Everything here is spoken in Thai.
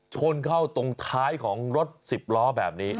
ชนเข้าตรงท้ายของรถสิบล้อแบบนี้